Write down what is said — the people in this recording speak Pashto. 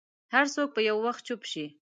هر څوک به یو وخت چوپ شي.